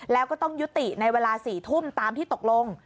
แล้วก็ต้องยุติในเวลา๔ทุ่มตามที่ตกลง